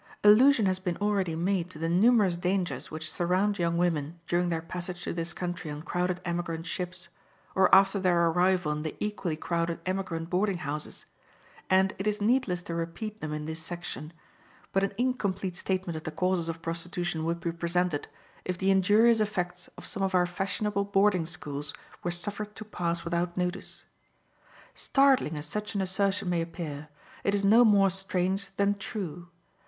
Allusion has been already made to the numerous dangers which surround young women during their passage to this country on crowded emigrant ships, or after their arrival in the equally crowded emigrant boarding houses, and it is needless to repeat them in this section; but an incomplete statement of the causes of prostitution would be presented if the injurious effects of some of our fashionable boarding schools were suffered to pass without notice. Startling as such an assertion may appear, it is no more strange than true.